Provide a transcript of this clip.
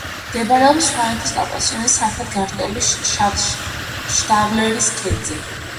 მდებარეობს სვანეთის კავკასიონის სამხრეთ განშტოების შდავლერის ქედზე.